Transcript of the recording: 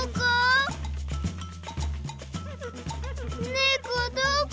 ねこどこ？